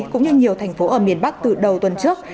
cũng như nhiều thành phố ở miền bắc từ đầu tuần trước